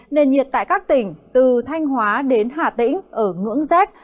nền nhiệt tại các tỉnh từ thanh hóa đến hà tĩnh ở ngưỡng rét